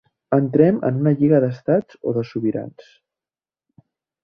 Entrem en una lliga d'estats o de sobirans.